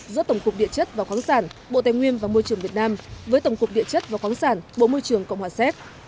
giữa tổng cục địa chất và khoáng sản bộ tài nguyên và môi trường việt nam với tổng cục địa chất và khoáng sản bộ môi trường cộng hòa séc